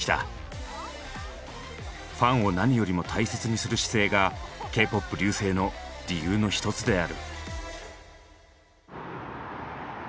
ファンを何よりも大切にする姿勢がＫ−ＰＯＰ隆盛の理由のひとつである。